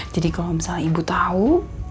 jadi kalau misalnya ibu tau